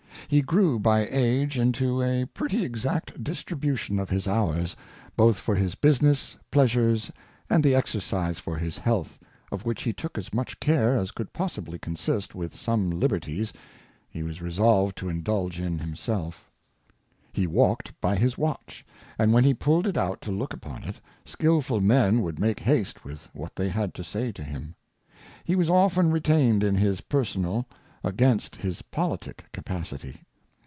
He grew by Age into a pretty exact Distribution of his Hours, both for his Business, Pleasures, and the Exercise for his Health, of which he took as much care as could possibly consist with some Liberties he was resolved to indulge in himseK. He walked by his Watch, and when he pulled it out to look upon it, skilful Men would make haste with what they had to say to him. He was often retained in his personal against his politick Capacity.